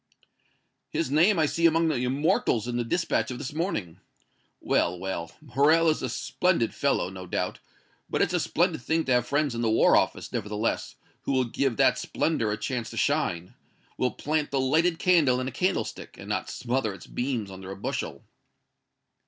"His name I see among the immortals in the dispatch of this morning. Well, well, Morrel is a splendid fellow, no doubt, but it's a splendid thing to have friends in the War Office, nevertheless, who will give that splendor a chance to shine will plant the lighted candle in a candlestick, and not smother its beams under a bushel."